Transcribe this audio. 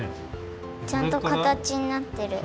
ちゃんとかたちになってる。